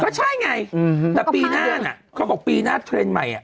ก็ใช่ไงแต่ปีหน้าน่ะเขาบอกปีหน้าเทรนด์ใหม่อ่ะ